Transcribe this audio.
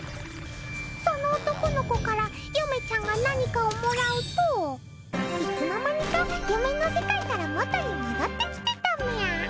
その男の子からゆめちゃんが何かをもらうといつのまにか夢の世界から元に戻ってきてたみゃ。